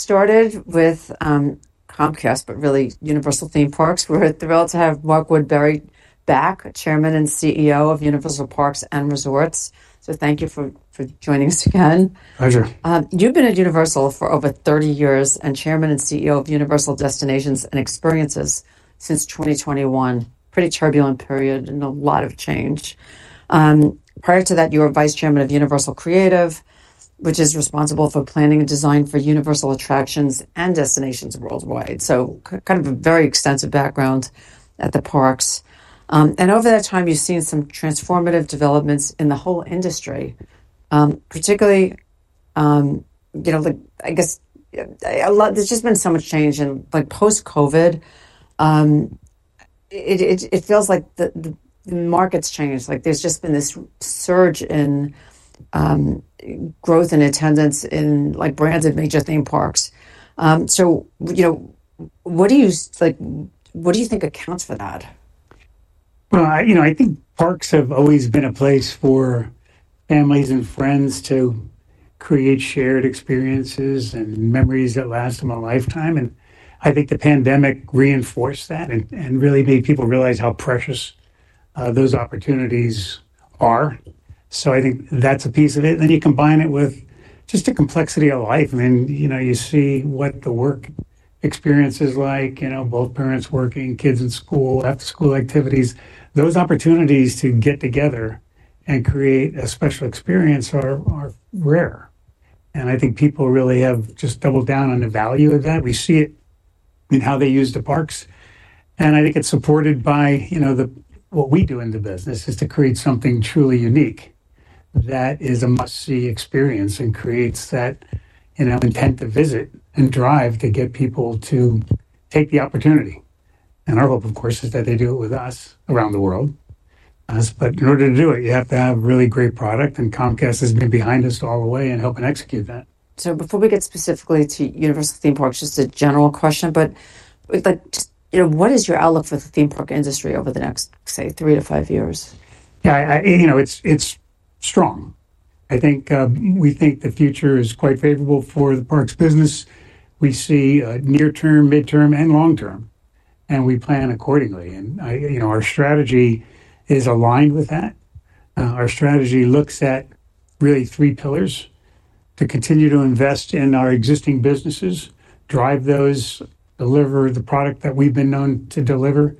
Started with Comcast, but really Universal Theme Parks. We're thrilled to have Mark Woodbury back, Chairman and CEO of Universal Parks & Resorts. So thank you for joining us again. Pleasure. You've been at Universal for over 30 years and Chairman and CEO of Universal Destinations & Experiences since 2021. Pretty turbulent period and a lot of change. Prior to that, you were Vice Chairman of Universal Creative, which is responsible for planning and design for Universal attractions and destinations worldwide, so kind of a very extensive background at the parks, and over that time, you've seen some transformative developments in the whole industry, particularly, you know, I guess there's just been so much change in post-COVID. It feels like the market's changed, like there's just been this surge in growth and attendance in brands of major theme parks, so, you know, what do you think accounts for that? Well, you know, I think parks have always been a place for families and friends to create shared experiences and memories that last them a lifetime. And I think the pandemic reinforced that and really made people realize how precious those opportunities are. So I think that's a piece of it. And then you combine it with just the complexity of life. I mean, you know, you see what the work experience is like, you know, both parents working, kids in school, after-school activities. Those opportunities to get together and create a special experience are rare. And I think people really have just doubled down on the value of that. We see it in how they use the parks. And I think it's supported by, you know, what we do in the business is to create something truly unique that is a must-see experience and creates that, you know, intent to visit and drive to get people to take the opportunity. And our hope, of course, is that they do it with us around the world. But in order to do it, you have to have really great product. And Comcast has been behind us all the way in helping execute that. So before we get specifically to Universal Theme Parks, just a general question, but what is your outlook for the theme park industry over the next, say, three to five years? Yeah, you know, it's strong. I think we think the future is quite favorable for the parks business. We see near-term, mid-term, and long-term, and we plan accordingly. And you know, our strategy is aligned with that. Our strategy looks at really three pillars: to continue to invest in our existing businesses, drive those, deliver the product that we've been known to deliver,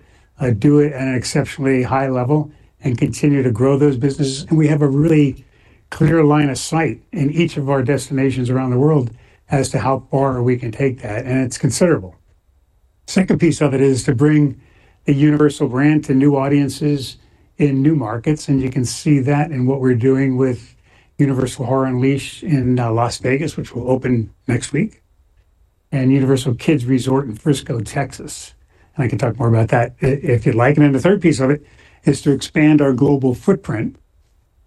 do it at an exceptionally high level, and continue to grow those businesses. And we have a really clear line of sight in each of our destinations around the world as to how far we can take that. And it's considerable. The second piece of it is to bring the Universal brand to new audiences in new markets. And you can see that in what we're doing with Universal Horror Unleashed in Las Vegas, which will open next week, and Universal Kids Resort in Frisco, Texas. And I can talk more about that if you'd like. And then the third piece of it is to expand our global footprint.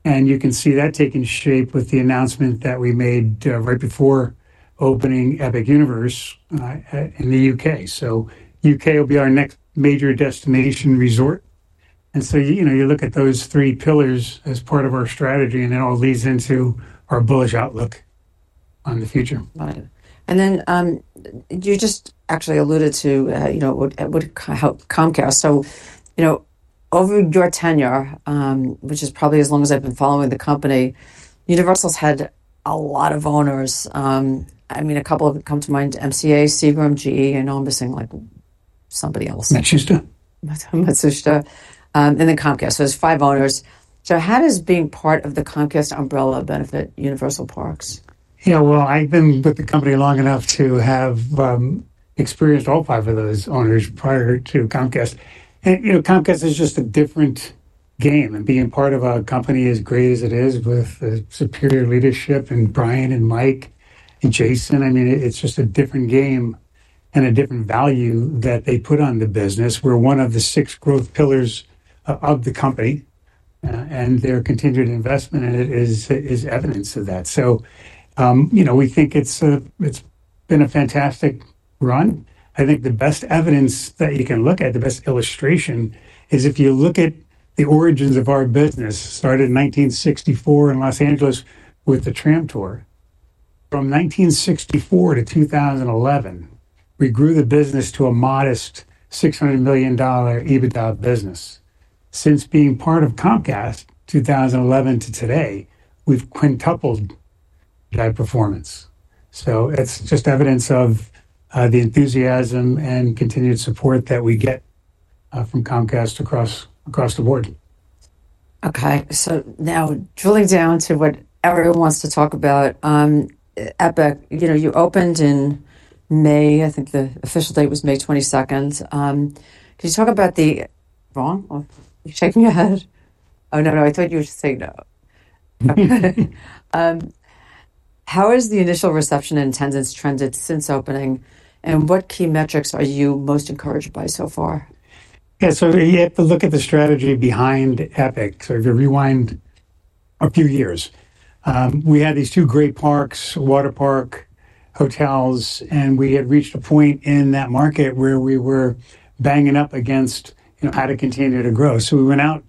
And you can see that taking shape with the announcement that we made right before opening Epic Universe in the U.K. So the U.K. will be our next major destination resort. And so, you know, you look at those three pillars as part of our strategy, and it all leads into our bullish outlook on the future. And then you just actually alluded to, you know, what Comcast. So, you know, over your tenure, which is probably as long as I've been following the company, Universal's had a lot of owners. I mean, a couple of them come to mind: MCA, Seagram, GE, and I'm missing like somebody else. Matsushita. Matsushita and then Comcast, so there's five owners, so how does being part of the Comcast umbrella benefit Universal Parks? Yeah, well, I've been with the company long enough to have experienced all five of those owners prior to Comcast. And, you know, Comcast is just a different game. And being part of a company as great as it is, with superior leadership and Brian and Mike and Jason, I mean, it's just a different game and a different value that they put on the business. We're one of the six growth pillars of the company, and their continued investment in it is evidence of that. So, you know, we think it's been a fantastic run. I think the best evidence that you can look at, the best illustration, is if you look at the origins of our business, started in 1964 in Los Angeles with the tram tour. From 1964 to 2011, we grew the business to a modest $600 million EBITDA business. Since being part of Comcast, 2011 to today, we've quintupled that performance. So it's just evidence of the enthusiasm and continued support that we get from Comcast across the board. Okay. So now drilling down to what everyone wants to talk about, Epic, you know, you opened in May. I think the official date was May 22nd. Can you talk about the... wrong? Are you shaking your head? Oh, no, no. I thought you were just saying no. How has the initial reception and attendance trended since opening? And what key metrics are you most encouraged by so far? Yeah. So you have to look at the strategy behind Epic. So if you rewind a few years, we had these two great parks, water park, hotels, and we had reached a point in that market where we were banging up against, you know, how to continue to grow. So we went out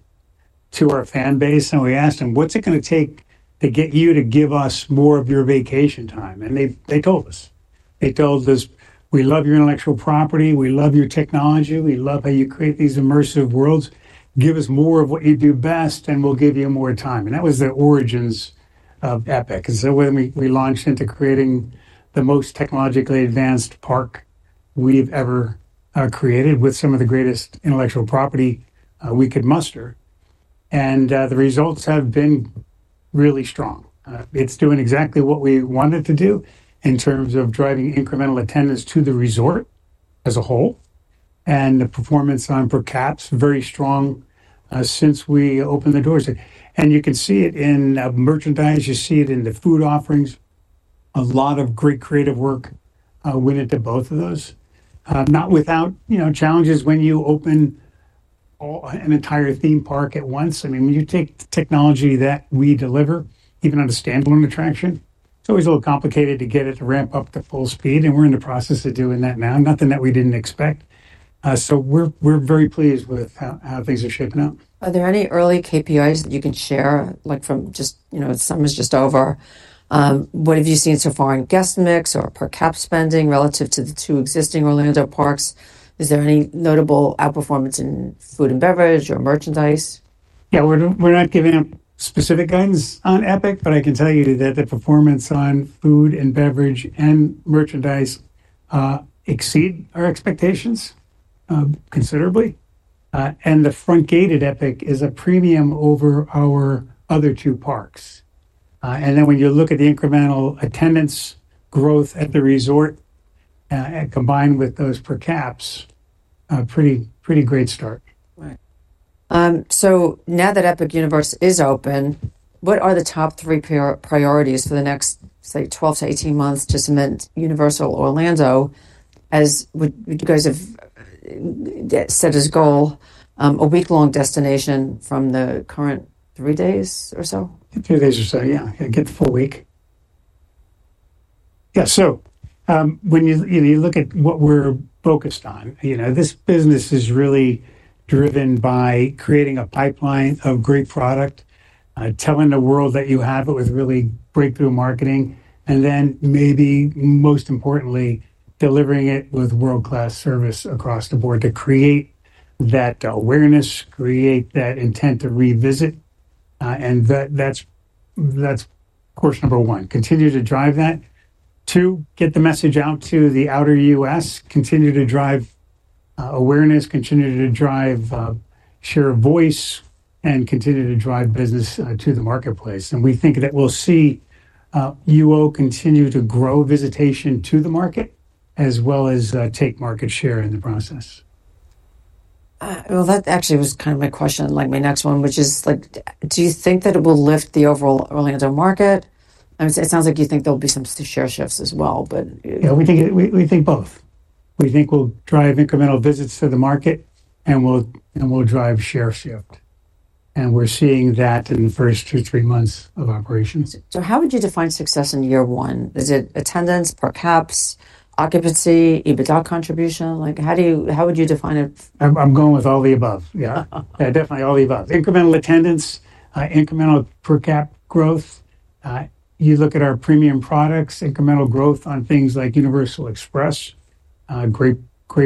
to our fan base and we asked them, "What's it going to take to get you to give us more of your vacation time?" And they told us. They told us, "We love your intellectual property. We love your technology. We love how you create these immersive worlds. Give us more of what you do best and we'll give you more time." And that was the origins of Epic. And so when we launched into creating the most technologically advanced park we've ever created with some of the greatest intellectual property we could muster. The results have been really strong. It's doing exactly what we wanted to do in terms of driving incremental attendance to the resort as a whole. The performance on per caps, very strong since we opened the doors. You can see it in merchandise. You see it in the food offerings. A lot of great creative work went into both of those. Not without, you know, challenges when you open an entire theme park at once. I mean, when you take technology that we deliver, even on a standalone attraction, it's always a little complicated to get it to ramp up to full speed. We're in the process of doing that now. Nothing that we didn't expect. We're very pleased with how things are shaping up. Are there any early KPIs that you can share, like from just, you know, summer's just over? What have you seen so far in guest mix or per cap spending relative to the two existing Orlando parks? Is there any notable outperformance in food and beverage or merchandise? Yeah, we're not giving out specific guidance on Epic, but I can tell you that the performance on food and beverage and merchandise exceed our expectations considerably. And the front gate at Epic is a premium over our other two parks. And then when you look at the incremental attendance growth at the resort, combined with those per caps, pretty great start. So now that Epic Universe is open, what are the top three priorities for the next, say, 12-18 months to cement Universal Orlando as you guys have set as goal a week-long destination from the current three days or so? Three days or so, yeah. Get the full week. Yeah. So when you look at what we're focused on, you know, this business is really driven by creating a pipeline of great product, telling the world that you have it with really breakthrough marketing, and then maybe most importantly, delivering it with world-class service across the board to create that awareness, create that intent to revisit. And that's, of course, number one. Continue to drive that. Two, get the message out to the outer U.S. Continue to drive awareness. Continue to drive share of voice and continue to drive business to the marketplace. And we think that we'll see UO continue to grow visitation to the market as well as take market share in the process. That actually was kind of my question, like my next one, which is like, do you think that it will lift the overall Orlando market? It sounds like you think there'll be some share shifts as well, but. Yeah, we think both. We think we'll drive incremental visits to the market and we'll drive share shift. And we're seeing that in the first two, three months of operations. So how would you define success in year one? Is it attendance, per caps, occupancy, EBITDA contribution? Like how do you, how would you define it? I'm going with all the above. Yeah. Yeah, definitely all the above. Incremental attendance, incremental per cap growth. You look at our premium products, incremental growth on things like Universal Express, great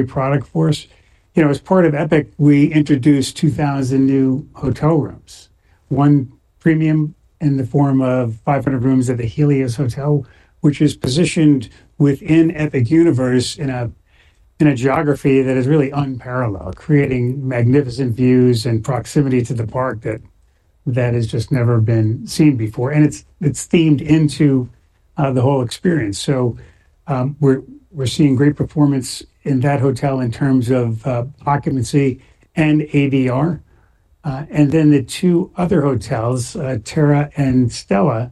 product for us. You know, as part of Epic, we introduced 2,000 new hotel rooms. One premium in the form of 500 rooms at the Helios Hotel, which is positioned within Epic Universe in a geography that is really unparalleled, creating magnificent views and proximity to the park that has just never been seen before, and it's themed into the whole experience. So we're seeing great performance in that hotel in terms of occupancy and ADR. Then the two other hotels, Terra and Stella,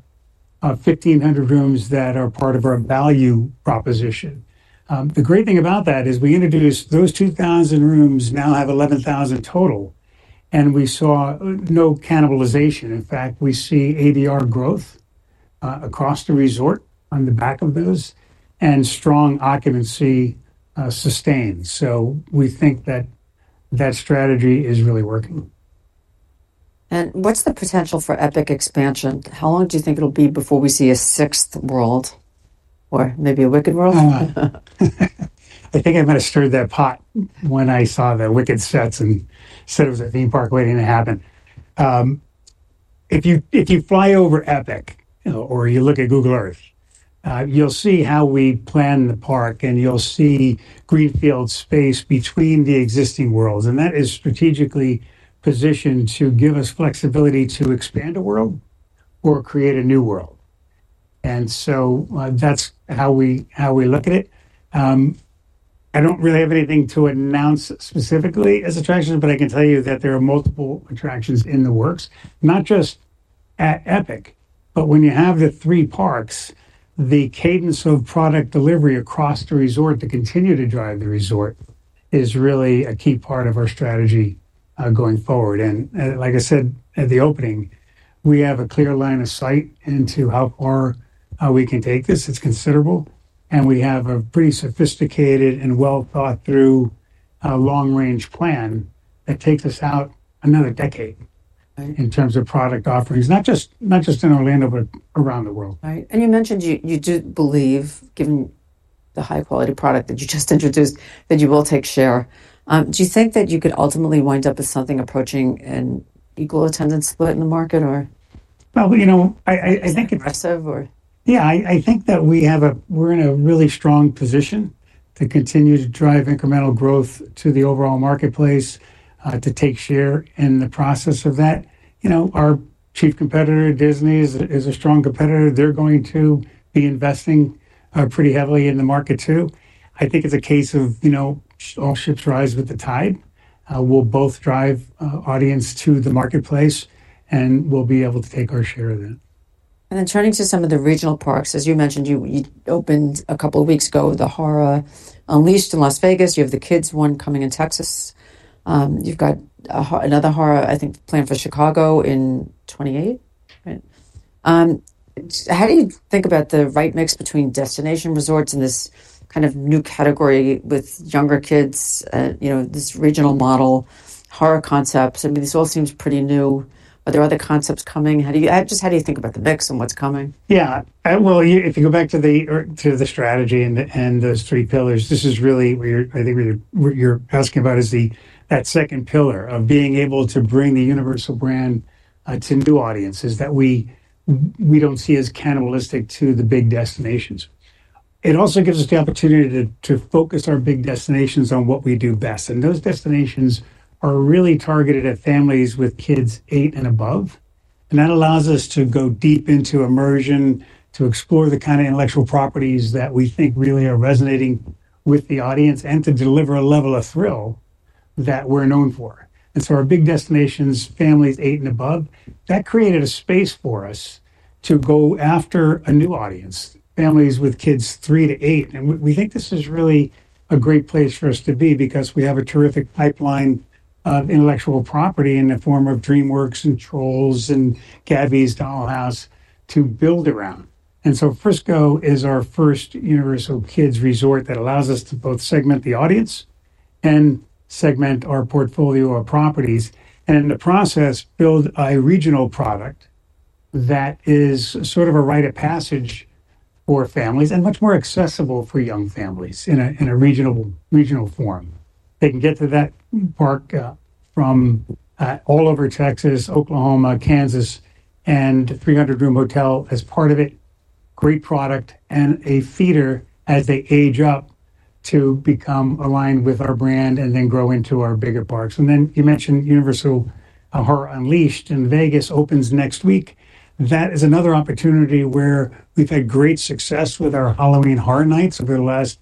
1,500 rooms that are part of our value proposition. The great thing about that is we introduced those 2,000 rooms now have 11,000 total, and we saw no cannibalization. In fact, we see ADR growth across the resort on the back of those and strong, sustained occupancy. So we think that that strategy is really working. What's the potential for Epic expansion? How long do you think it'll be before we see a sixth world or maybe a Wicked world? I think I might have stirred that pot when I saw the Wicked sets and said it was a theme park waiting to happen. If you fly over Epic or you look at Google Earth, you'll see how we plan the park and you'll see greenfield space between the existing worlds. And that is strategically positioned to give us flexibility to expand a world or create a new world. And so that's how we look at it. I don't really have anything to announce specifically as attractions, but I can tell you that there are multiple attractions in the works, not just at Epic, but when you have the three parks, the cadence of product delivery across the resort to continue to drive the resort is really a key part of our strategy going forward. And like I said at the opening, we have a clear line of sight into how far we can take this. It's considerable. And we have a pretty sophisticated and well-thought-through long-range plan that takes us out another decade in terms of product offerings, not just in Orlando, but around the world. Right, and you mentioned you do believe, given the high-quality product that you just introduced, that you will take share. Do you think that you could ultimately wind up with something approaching an equal attendance split in the market or? You know, I think. Aggressive or? Yeah, I think that we have, we're in a really strong position to continue to drive incremental growth to the overall marketplace, to take share in the process of that. You know, our chief competitor, Disney, is a strong competitor. They're going to be investing pretty heavily in the market too. I think it's a case of, you know, all ships rise with the tide. We'll both drive audience to the marketplace and we'll be able to take our share of that. And then turning to some of the regional parks, as you mentioned, you opened a couple of weeks ago the Universal Horror Unleashed in Las Vegas. You have the kids one coming in Texas. You've got another Horror, I think planned for Chicago in 2028. How do you think about the right mix between destination resorts and this kind of new category with younger kids, you know, this regional model, Horror concepts? I mean, this all seems pretty new. Are there other concepts coming? Just how do you think about the mix and what's coming? Yeah. Well, if you go back to the strategy and those three pillars, this is really where I think what you're asking about is that second pillar of being able to bring the Universal brand to new audiences that we don't see as cannibalistic to the big destinations. It also gives us the opportunity to focus our big destinations on what we do best. And those destinations are really targeted at families with kids eight and above. And that allows us to go deep into immersion, to explore the kind of intellectual properties that we think really are resonating with the audience and to deliver a level of thrill that we're known for. And so our big destinations, families eight and above, that created a space for us to go after a new audience, families with kids three to eight. And we think this is really a great place for us to be because we have a terrific pipeline of intellectual property in the form of DreamWorks and Trolls and Gabby's Dollhouse to build around. And so Frisco is our first Universal Kids Resort that allows us to both segment the audience and segment our portfolio of properties and in the process build a regional product that is sort of a rite of passage for families and much more accessible for young families in a regional form. They can get to that park from all over Texas, Oklahoma, Kansas, and 300-room hotel as part of it, great product and a feeder as they age up to become aligned with our brand and then grow into our bigger parks. And then you mentioned Universal Horror Unleashed in Vegas opens next week. That is another opportunity where we've had great success with our Halloween Horror Nights over the last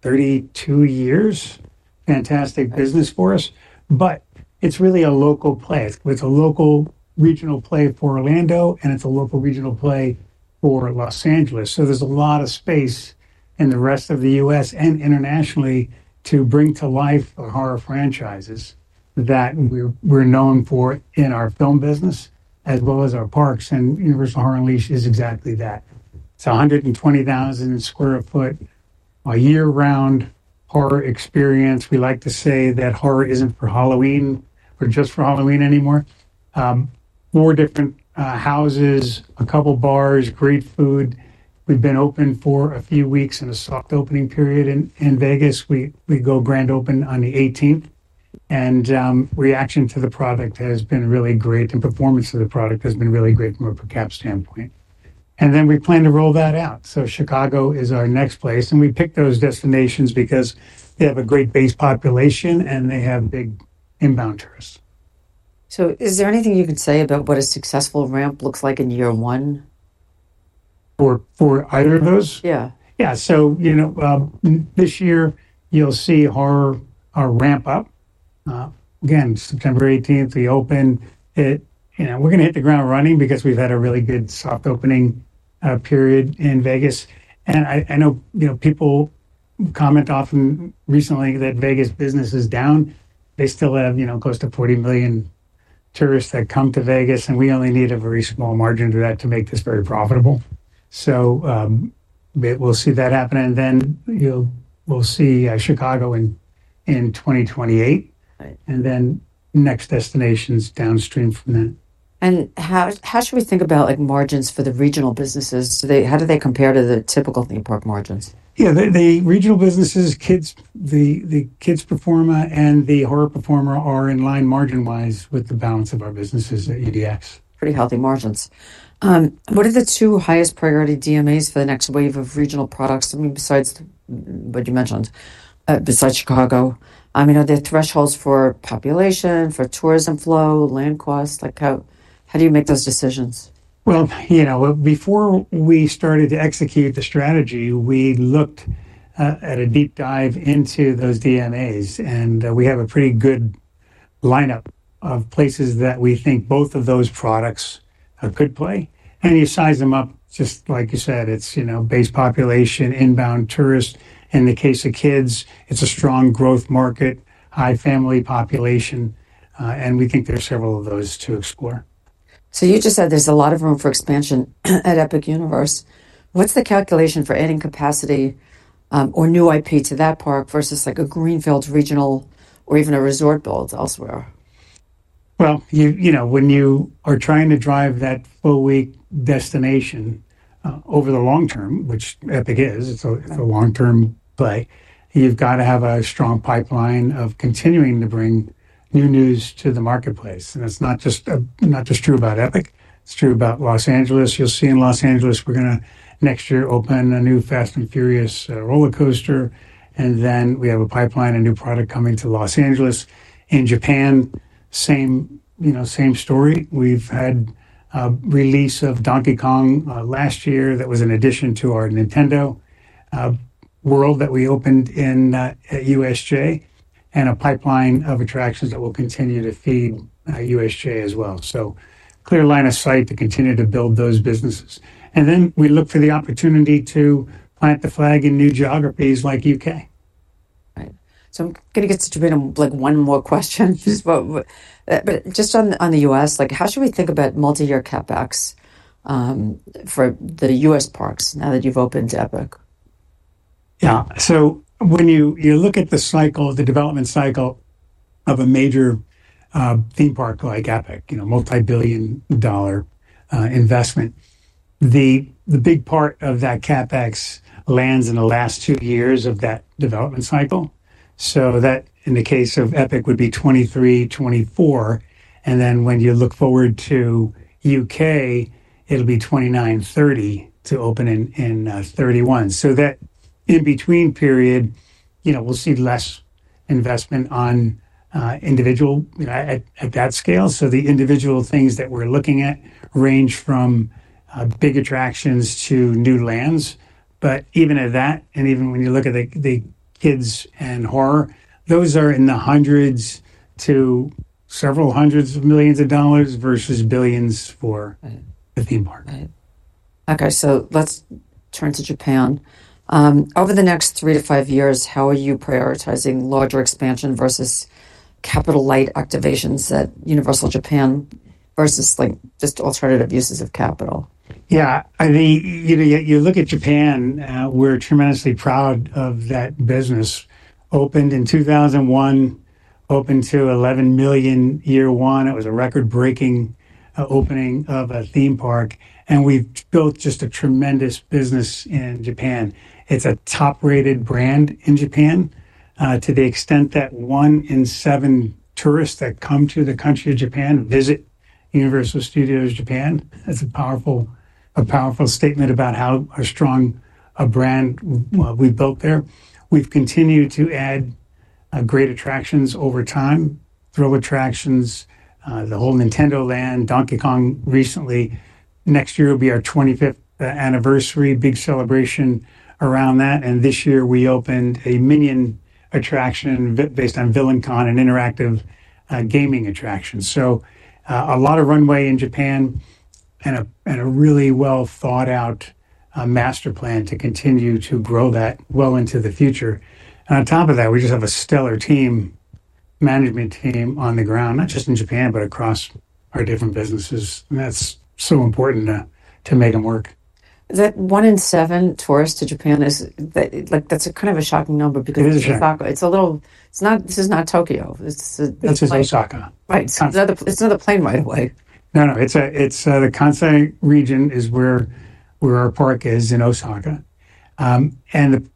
32 years. Fantastic business for us. But it's really a local play. It's a local regional play for Orlando and it's a local regional play for Los Angeles. So there's a lot of space in the rest of the U.S. and internationally to bring to life the horror franchises that we're known for in our film business as well as our parks. And Universal Horror Unleashed is exactly that. It's a 120,000 sq ft year-round horror experience. We like to say that horror isn't for Halloween or just for Halloween anymore. Four different houses, a couple bars, great food. We've been open for a few weeks in a soft opening period in Vegas. We go grand open on the 18th. Reaction to the product has been really great and performance of the product has been really great from a per cap standpoint. We plan to roll that out. Chicago is our next place. We picked those destinations because they have a great base population and they have big inbound tourists. So is there anything you can say about what a successful ramp looks like in year one? For either of those? Yeah. Yeah. So, you know, this year you'll see horror ramp up. Again, September 18th, we open. We're going to hit the ground running because we've had a really good soft opening period in Vegas. And I know, you know, people comment often recently that Vegas business is down. They still have, you know, close to 40 million tourists that come to Vegas. And we only need a very small margin to that to make this very profitable. So we'll see that happen. And then we'll see Chicago in 2028. And then next destinations downstream from that. How should we think about margins for the regional businesses? How do they compare to the typical theme park margins? Yeah, the regional businesses, kids, the kids performer and the horror performer are in line margin-wise with the balance of our businesses at UDX. Pretty healthy margins. What are the two highest priority DMAs for the next wave of regional products? I mean, besides what you mentioned, besides Chicago, I mean, are there thresholds for population, for tourism flow, land costs? Like how do you make those decisions? You know, before we started to execute the strategy, we looked at a deep dive into those DMAs. We have a pretty good lineup of places that we think both of those products could play. You size them up just like you said, it's, you know, base population, inbound tourists. In the case of kids, it's a strong growth market, high family population. We think there's several of those to explore. So you just said there's a lot of room for expansion at Epic Universe. What's the calculation for adding capacity or new IP to that park versus like a greenfield regional or even a resort build elsewhere? You know, when you are trying to drive that full week destination over the long term, which Epic is, it's a long-term play. You've got to have a strong pipeline of continuing to bring new news to the marketplace. It's not just true about Epic. It's true about Los Angeles. You'll see in Los Angeles, we're going to next year open a new Fast and Furious roller coaster. Then we have a pipeline, a new product coming to Los Angeles. In Japan, same, you know, same story. We've had a release of Donkey Kong last year that was an addition to our Nintendo World that we opened in USJ and a pipeline of attractions that will continue to feed USJ as well. Clear line of sight to continue to build those businesses. We look for the opportunity to plant the flag in new geographies like U.K. Right. So I'm going to get to like one more question. But just on the U.S., like how should we think about multi-year CapEx for the U.S. parks now that you've opened Epic? Yeah. So when you look at the cycle, the development cycle of a major theme park like Epic, you know, multi-billion-dollar investment, the big part of that CapEx lands in the last two years of that development cycle. So that in the case of Epic would be 2023, 2024. And then when you look forward to U.K., it'll be 2029, 2030 to open in 2031. So that in between period, you know, we'll see less investment on individual, you know, at that scale. So the individual things that we're looking at range from big attractions to new lands. But even at that, and even when you look at the kids and horror, those are in the hundreds to several hundreds of millions of dollars versus billions for the theme park. Okay. So let's turn to Japan. Over the next three to five years, how are you prioritizing larger expansion versus capital light activations at Universal Japan versus like just alternative uses of capital? Yeah. I mean, you know, you look at Japan, we're tremendously proud of that business. Opened in 2001, opened to 11 million year one. It was a record-breaking opening of a theme park. And we've built just a tremendous business in Japan. It's a top-rated brand in Japan to the extent that one in seven tourists that come to the country of Japan visit Universal Studios Japan. That's a powerful statement about how strong a brand we built there. We've continued to add great attractions over time, thrill attractions, the whole Nintendo land, Donkey Kong recently. Next year will be our 25th anniversary, big celebration around that. And this year we opened a Minion attraction based on Villain-Con, an interactive gaming attraction. So a lot of runway in Japan and a really well-thought-out master plan to continue to grow that well into the future. On top of that, we just have a stellar team, management team on the ground, not just in Japan, but across our different businesses. That's so important to make them work. Is that one in seven tourists to Japan? Like, that's a kind of a shocking number because it's Osaka. It's a little, it's not, this is not Tokyo. That's Osaka. Right. It's another plane right away. No, no. It's the Kansai region is where our park is in Osaka. And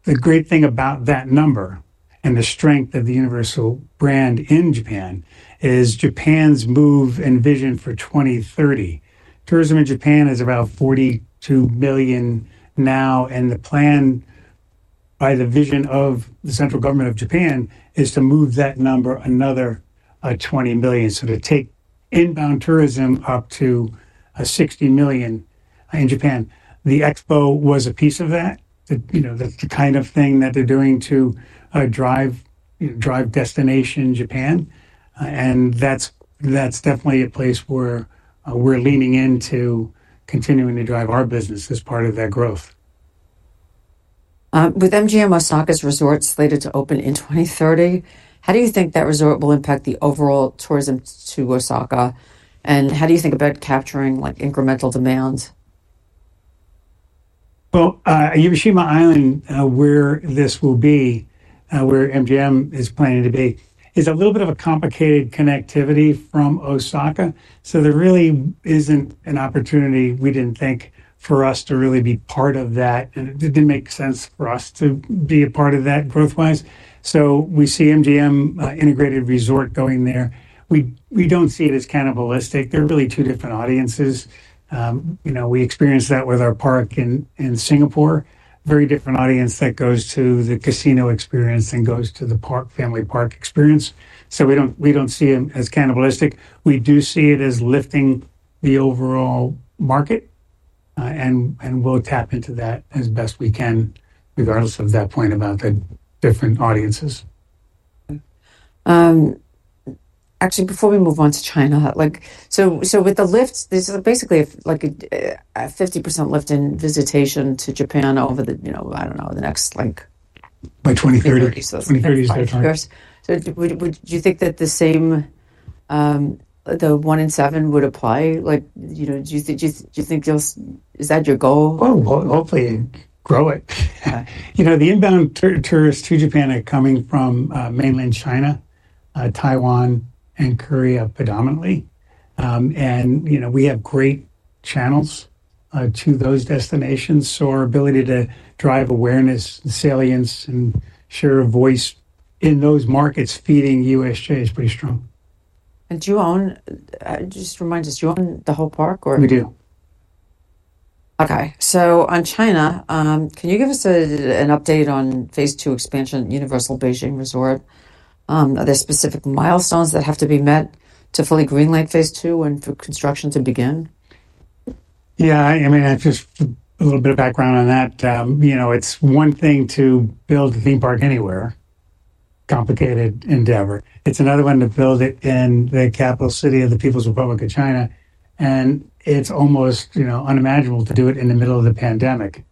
the great thing about that number and the strength of the Universal brand in Japan is Japan's move and vision for 2030. Tourism in Japan is about 42 million now. And the plan by the vision of the central government of Japan is to move that number another 20 million. So to take inbound tourism up to 60 million in Japan. The expo was a piece of that. You know, that's the kind of thing that they're doing to drive destination Japan. And that's definitely a place where we're leaning into continuing to drive our business as part of that growth. With MGM Osaka's resorts slated to open in 2030, how do you think that resort will impact the overall tourism to Osaka? And how do you think about capturing like incremental demand? Yumeshima Island, where this will be, where MGM is planning to be, is a little bit of a complicated connectivity from Osaka. So there really isn't an opportunity we didn't think for us to really be part of that. And it didn't make sense for us to be a part of that growth-wise. So we see MGM integrated resort going there. We don't see it as cannibalistic. They're really two different audiences. You know, we experienced that with our park in Singapore, very different audience that goes to the casino experience and goes to the family park experience. So we don't see it as cannibalistic. We do see it as lifting the overall market. And we'll tap into that as best we can, regardless of that point about the different audiences. Actually, before we move on to China, like so with the lifts, this is basically like a 50% lift in visitation to Japan over the, you know, I don't know, the next like. By 2030. 2030 is their time. So would you think that the same, the one in seven would apply? Like, you know, do you think you'll, is that your goal? Oh, hopefully grow it. You know, the inbound tourists to Japan are coming from mainland China, Taiwan, and Korea predominantly. And, you know, we have great channels to those destinations. So our ability to drive awareness, salience, and share of voice in those markets feeding USJ is pretty strong. Do you own, just remind us, do you own the whole park or? We do. Okay, so on China, can you give us an update on phase two expansion, Universal Beijing Resort? Are there specific milestones that have to be met to fully greenlight phase two and for construction to begin? Yeah. I mean, just a little bit of background on that. You know, it's one thing to build a theme park anywhere, complicated endeavor. It's another one to build it in the capital city of the People's Republic of China, and it's almost, you know, unimaginable to do it in the middle of the pandemic,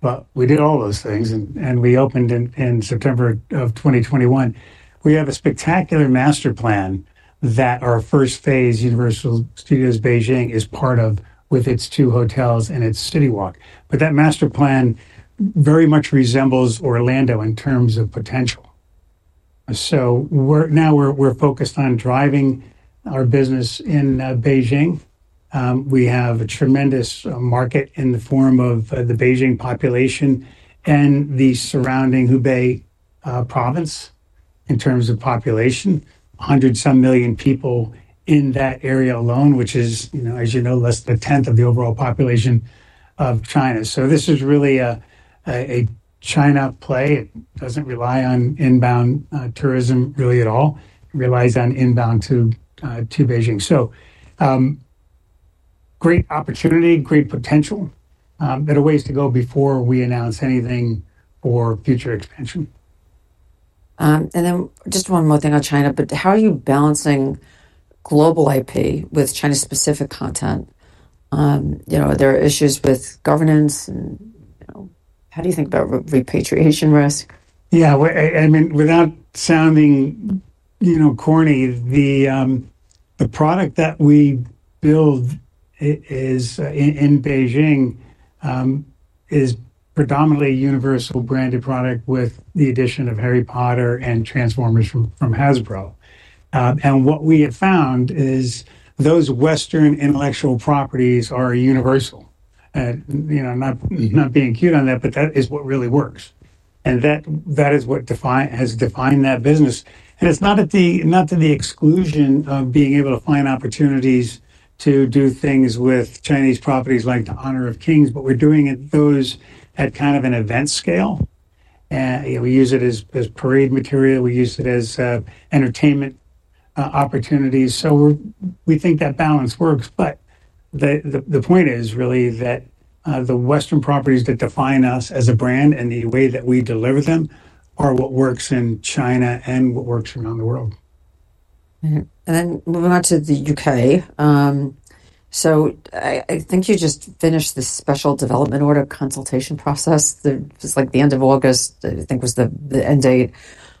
but we did all those things, and we opened in September of 2021. We have a spectacular master plan that our first phase, Universal Studios Beijing, is part of with its two hotels and its CityWalk, but that master plan very much resembles Orlando in terms of potential, so now we're focused on driving our business in Beijing. We have a tremendous market in the form of the Beijing population and the surrounding Hebei province in terms of population, hundreds some million people in that area alone, which is, you know, as you know, less than a tenth of the overall population of China. So this is really a China play. It doesn't rely on inbound tourism really at all. It relies on inbound to Beijing. So great opportunity, great potential. There are ways to go before we announce anything for future expansion. And then just one more thing on China, but how are you balancing global IP with China-specific content? You know, there are issues with governance. How do you think about repatriation risk? Yeah. I mean, without sounding, you know, corny, the product that we build in Beijing is predominantly a Universal branded product with the addition of Harry Potter and Transformers from Hasbro. And what we have found is those Western intellectual properties are universal. You know, not being cute on that, but that is what really works. And that is what has defined that business. And it's not to the exclusion of being able to find opportunities to do things with Chinese properties like the Honor of Kings, but we're doing those at kind of an event scale. And we use it as parade material. We use it as entertainment opportunities. So we think that balance works. But the point is really that the Western properties that define us as a brand and the way that we deliver them are what works in China and what works around the world. And then moving on to the U.K. So I think you just finished the Special Development Order consultation process. It was like the end of August, I think was the end date.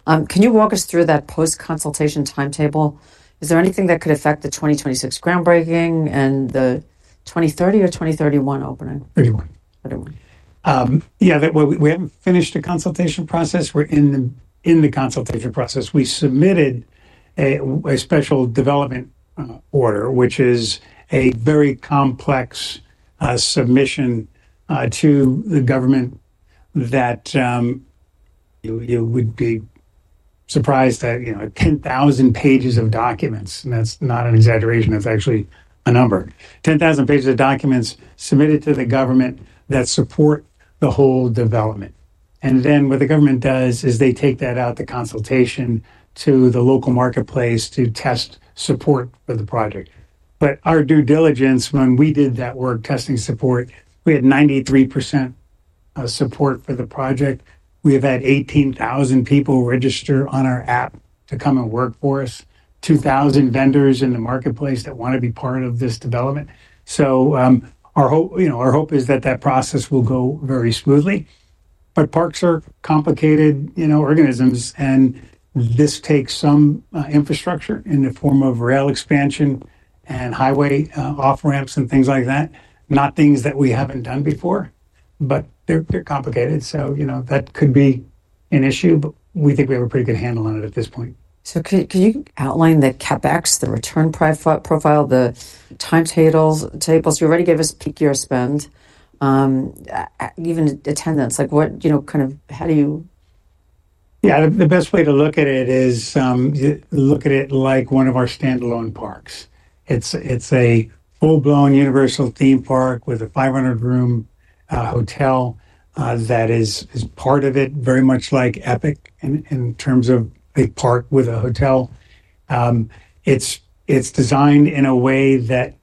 Can you walk us through that post-consultation timetable? Is there anything that could affect the 2026 groundbreaking and the 2030 or 2031 opening? Yeah, we haven't finished the consultation process. We're in the consultation process. We submitted a special development order, which is a very complex submission to the government that you would be surprised that, you know, 10,000 pages of documents. And that's not an exaggeration. That's actually a number. 10,000 pages of documents submitted to the government that support the whole development. And then what the government does is they take that out to consultation to the local marketplace to test support for the project. But our due diligence when we did that work testing support, we had 93% support for the project. We have had 18,000 people register on our app to come and work for us, 2,000 vendors in the marketplace that want to be part of this development. So our hope, you know, our hope is that that process will go very smoothly. But parks are complicated, you know, organisms. And this takes some infrastructure in the form of rail expansion and highway off-ramps and things like that. Not things that we haven't done before, but they're complicated. So, you know, that could be an issue, but we think we have a pretty good handle on it at this point. So, can you outline the CapEx, the return profile, the timetables? You already gave us peak year spend, even attendance. Like, what, you know, kind of, how do you? Yeah. The best way to look at it is like one of our standalone parks. It's a full-blown Universal theme park with a 500-room hotel that is part of it, very much like Epic in terms of a park with a hotel. It's designed in a way that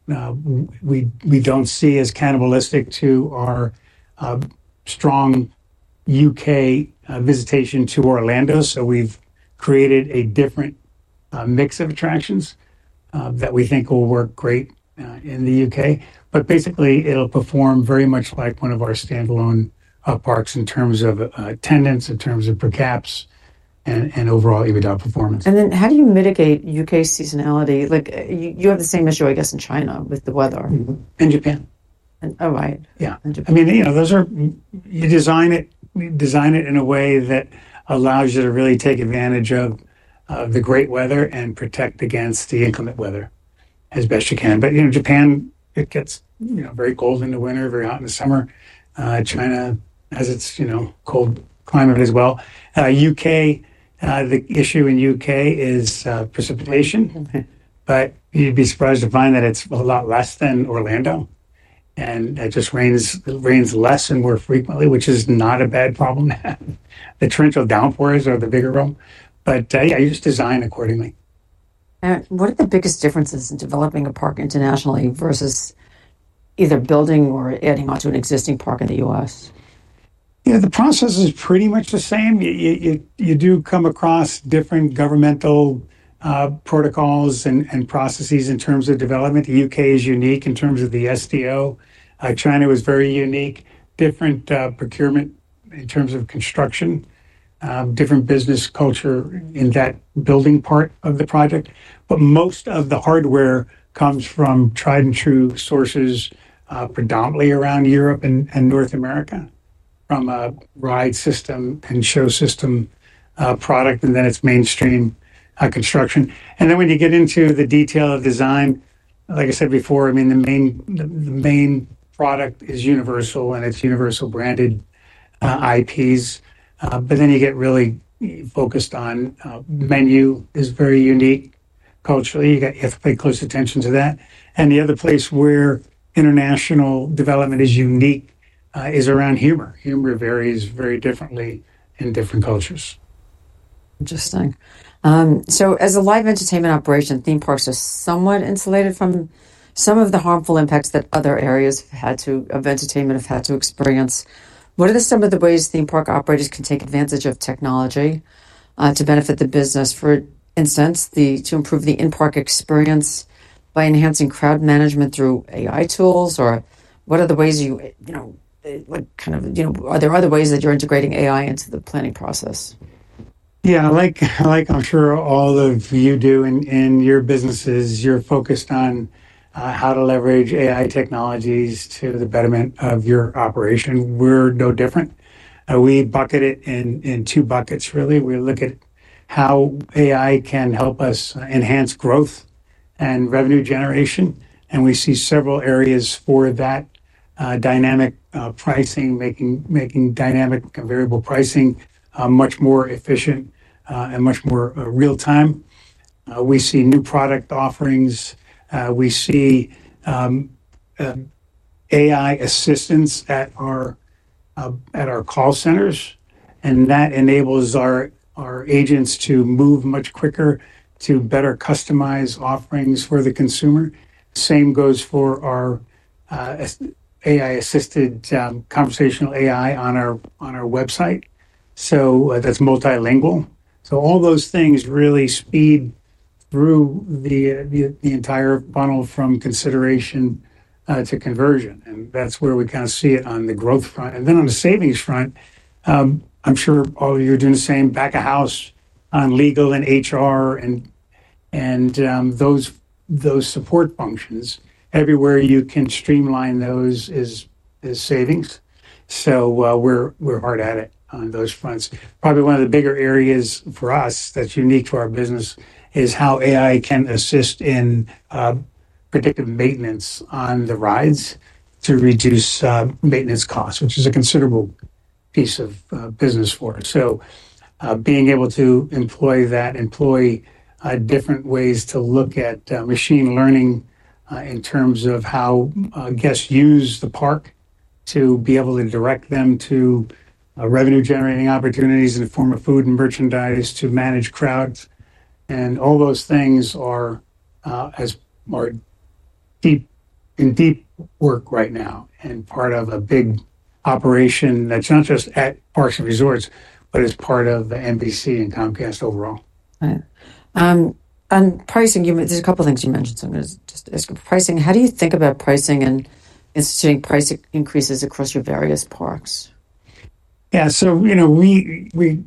we don't see as cannibalistic to our strong U.K. visitation to Orlando. So we've created a different mix of attractions that we think will work great in the U.K. But basically, it'll perform very much like one of our standalone parks in terms of attendance, in terms of per caps, and overall EBITDA performance. Then how do you mitigate U.K. seasonality? Like you have the same issue, I guess, in China with the weather. In Japan. Oh, right. Yeah. I mean, you know, those are, you design it in a way that allows you to really take advantage of the great weather and protect against the inclement weather as best you can, but you know, Japan, it gets, you know, very cold in the winter, very hot in the summer. China has its, you know, cold climate as well. The issue in the U.K. is precipitation, but you'd be surprised to find that it's a lot less than Orlando, and it just rains less and more frequently, which is not a bad problem. The torrential downpours are the bigger problem, but yeah, you just design accordingly. What are the biggest differences in developing a park internationally versus either building or adding on to an existing park in the U.S.? You know, the process is pretty much the same. You do come across different governmental protocols and processes in terms of development. The U.K. is unique in terms of the SDO. China was very unique. Different procurement in terms of construction, different business culture in that building part of the project. But most of the hardware comes from tried and true sources, predominantly around Europe and North America, from a ride system and show system product, and then it's mainstream construction. And then when you get into the detail of design, like I said before, I mean, the main product is Universal and it's Universal branded IPs. But then you get really focused on menu is very unique culturally. You got to pay close attention to that. And the other place where international development is unique is around humor. Humor varies very differently in different cultures. Interesting. So as a live entertainment operation, theme parks are somewhat insulated from some of the harmful impacts that other areas of entertainment have had to experience. What are some of the ways theme park operators can take advantage of technology to benefit the business? For instance, to improve the in-park experience by enhancing crowd management through AI tools, or what are the ways you, you know, kind of, you know, are there other ways that you're integrating AI into the planning process? Yeah. Like I'm sure all of you do in your businesses, you're focused on how to leverage AI technologies to the betterment of your operation. We're no different. We bucket it in two buckets, really. We look at how AI can help us enhance growth and revenue generation. And we see several areas for that dynamic pricing, making dynamic variable pricing much more efficient and much more real-time. We see new product offerings. We see AI assistance at our call centers. And that enables our agents to move much quicker to better customize offerings for the consumer. Same goes for our AI-assisted conversational AI on our website. So that's multilingual. So all those things really speed through the entire funnel from consideration to conversion. And that's where we kind of see it on the growth front. And then, on the savings front, I'm sure all of you are doing the same, back of house on legal and HR and those support functions. Everywhere you can streamline those is savings. So we're hard at it on those fronts. Probably one of the bigger areas for us that's unique to our business is how AI can assist in predictive maintenance on the rides to reduce maintenance costs, which is a considerable piece of business for us. So being able to employ that, employ different ways to look at machine learning in terms of how guests use the park to be able to direct them to revenue-generating opportunities in the form of food and merchandise to manage crowds. All those things are in deep work right now and part of a big operation that's not just at parks and resorts, but it's part of the NBC and Comcast overall. And pricing, there's a couple of things you mentioned. So I'm going to just ask you about pricing. How do you think about pricing and instituting price increases across your various parks? Yeah. So, you know, we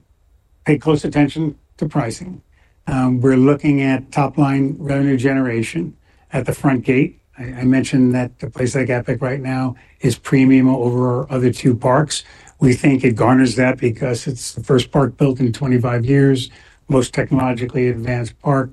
pay close attention to pricing. We're looking at top-line revenue generation at the front gate. I mentioned that a place like Epic right now is premium over other two parks. We think it garners that because it's the first park built in 25 years, most technologically advanced park,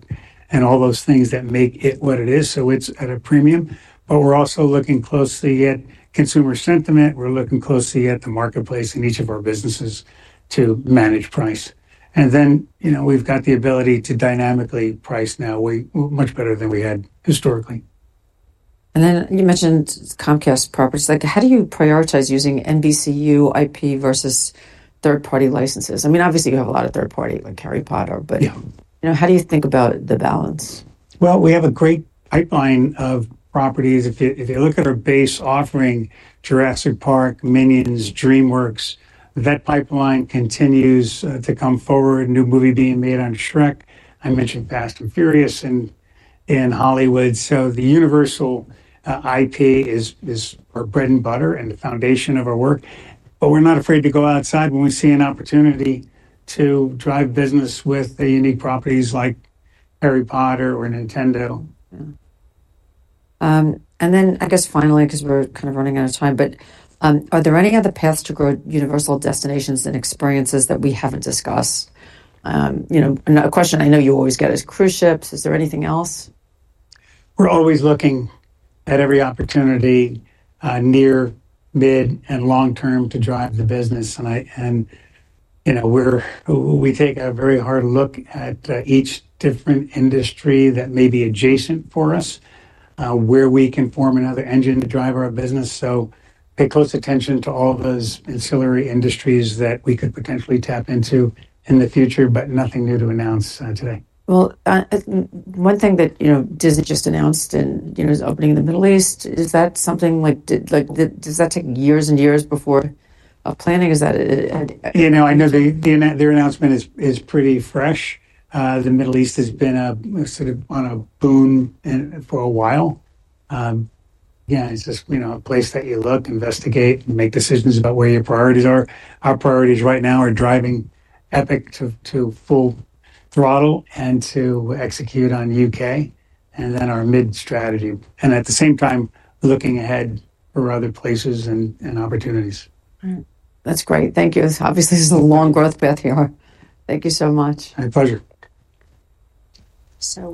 and all those things that make it what it is. So it's at a premium. But we're also looking closely at consumer sentiment. We're looking closely at the marketplace in each of our businesses to manage price. And then, you know, we've got the ability to dynamically price now much better than we had historically. And then you mentioned Comcast properties. Like, how do you prioritize using NBCU IP versus third-party licenses? I mean, obviously you have a lot of third-party like Harry Potter, but you know, how do you think about the balance? We have a great pipeline of properties. If you look at our base offering, Jurassic Park, Minions, DreamWorks, that pipeline continues to come forward. New movie being made on Shrek. I mentioned Fast and Furious in Hollywood. The Universal IP is our bread and butter and the foundation of our work. We're not afraid to go outside when we see an opportunity to drive business with unique properties like Harry Potter or Nintendo. And then I guess finally, because we're kind of running out of time, but are there any other paths to grow Universal Destinations and Experiences that we haven't discussed? You know, a question I know you always get is cruise ships. Is there anything else? We're always looking at every opportunity near, mid, and long-term to drive the business. And, you know, we take a very hard look at each different industry that may be adjacent for us where we can form another engine to drive our business. So pay close attention to all of those ancillary industries that we could potentially tap into in the future, but nothing new to announce today. One thing that, you know, Disney just announced and, you know, is opening in the Middle East. Is that something like, does that take years and years before planning? Is that? You know, I know their announcement is pretty fresh. The Middle East has been sort of on a boom for a while. Again, it's just, you know, a place that you look, investigate, and make decisions about where your priorities are. Our priorities right now are driving Epic to full throttle and to execute on U.K. and then our Mideast strategy, and at the same time, looking ahead for other places and opportunities. That's great. Thank you. Obviously, this is a long growth path here. Thank you so much. My pleasure. So.